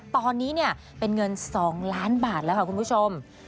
ตอนนี้เนี่ยเป็นเงิน๒ล้านบาทแล้วค่ะคุณผู้ชม